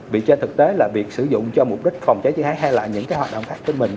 vì trên thực tế là việc sử dụng cho mục đích phòng cháy chứa hái hay là những hoạt động khác của mình